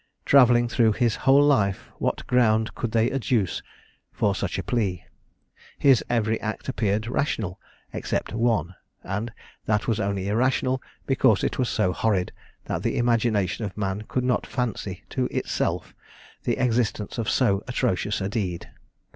Travelling through his whole life, what ground could they adduce for such a plea? His every act appeared rational, except one; and that was only irrational, because it was so horrid that the imagination of man could not fancy to itself the existence of so atrocious a deed.